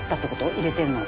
入れてるの。